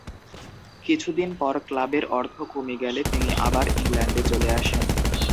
কিছুদিন পর ক্লাবের অর্থ কমে গেলে তিনি আবার ইংল্যান্ড চলে আসেন।